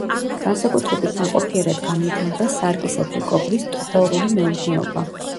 განსაკუთრებით ნაყოფიერად განვითარდა სარკისებრი კობრის ტბორული მეურნეობა.